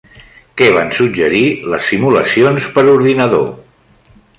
Què van suggerir les simulacions per ordinador?